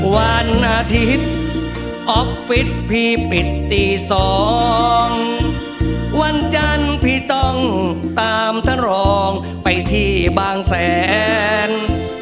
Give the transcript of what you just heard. วันอาทิตย์ออฟฟิศพี่ปิดตีสองวันจันทร์พี่ต้องตามท่านรองไปที่บางแสน